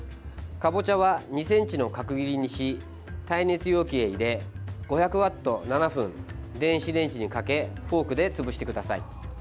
かぼちゃは２ｃｍの角切りにし耐熱容器へ入れ５００ワット７分電子レンジにかけフォークで潰してください。